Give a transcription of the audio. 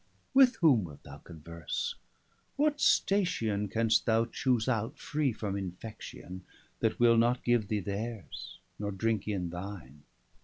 With whom wilt thou converse? what station 325 Canst thou choose out, free from infection, That will not give thee theirs, nor drinke in thine?